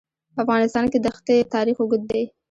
په افغانستان کې د ښتې تاریخ اوږد دی.